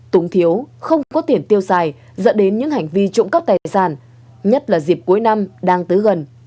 túng thiếu không có tiền tiêu xài dẫn đến những hành vi trộm cắp tài sản nhất là dịp cuối năm đang tới gần